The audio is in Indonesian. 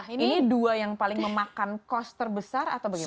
ini dua yang paling memakan cost terbesar atau bagaimana